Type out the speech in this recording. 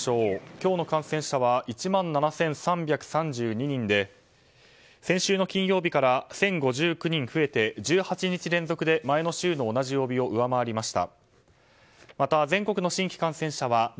今日の感染者は１万７３３２人で先週の金曜日から１０５９人増えて１８日連続で前の週の同じ曜日を上回りました。